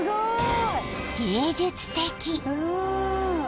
［芸術的］